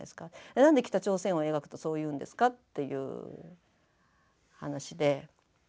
なんで北朝鮮を描くとそう言うんですかっていう話で。